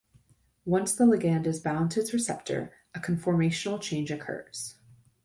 Once the ligand is bound to its receptor, a conformational change occurs.